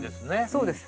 そうです。